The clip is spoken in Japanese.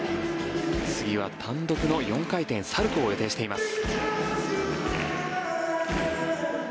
次は単独の４回転サルコウを予定しています。